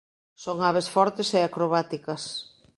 Son aves fortes e acrobáticas.